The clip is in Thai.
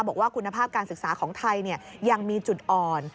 บอกว่าคุณภาพการศึกษาของไทยยังมีจุดอ่อน